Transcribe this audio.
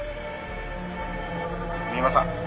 「三馬さん？